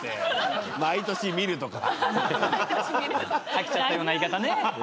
飽きちゃったような言い方ね。